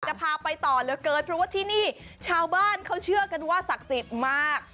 จะพาไปต่อเหลือเกินเพราะว่าที่นี่ชาวบ้านเขาเชื่อกันว่าศักดิ์สิทธิ์มาก